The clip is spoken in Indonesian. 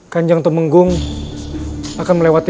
kanjeng temenggu akan melewati